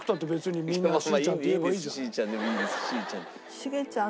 しーちゃん。